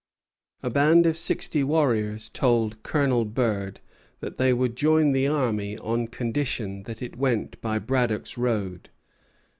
A band of sixty warriors told Colonel Burd that they would join the army on condition that it went by Braddock's road.